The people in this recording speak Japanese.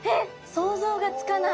想像がつかない。